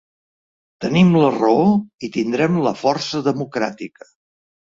Tenim la raó i tindrem la força democràtica.